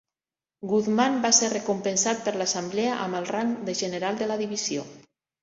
Guzman va ser recompensat per l'assemblea amb el rang de general de la divisió.